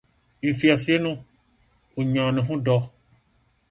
Mfiase no, onyaa ne ho dɔ.